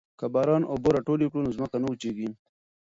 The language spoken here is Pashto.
که باران اوبه راټولې کړو نو ځمکه نه وچیږي.